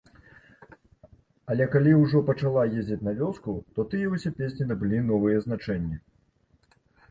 Але калі ўжо пачала ездзіць на вёску, то тыя ўсе песні набылі новыя значэнні.